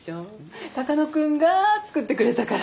鷹野君が作ってくれたから。